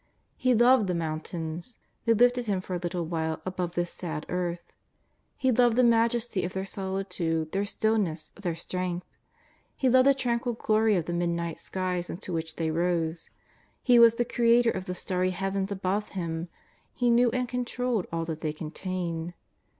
He loved the mountains. They lifted Him for a little while above this sad earth. He loved the majesty of their solitude, their stillness, their strength. He loved the tranquil glory of the midnight skies into which they rose. He was the Creator of the starry heavens above Him. He knew and controlled all that they contain.